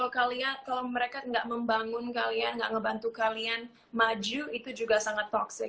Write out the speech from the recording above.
kalau mereka gak membangun kalian gak membantu kalian maju itu juga sangat toxic